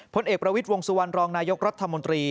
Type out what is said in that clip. ผลเอกประวิทย์วงสุวรรณรองนายกรัฐมนตรี